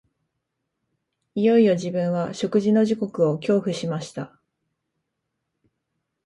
いよいよ自分は食事の時刻を恐怖しました